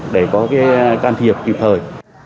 để có cái can thiệp kịp thời